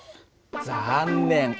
残念。